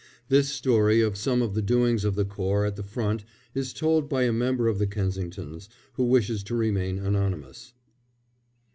This story of some of the doings of the corps at the front is told by a member of the Kensingtons, who wishes to remain anonymous.